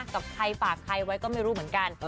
กับใครฝากใครไว้ก็ไม่รู้เหมือนกัน